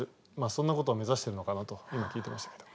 そんなことを目指してるのかなと今聞いてましたけど。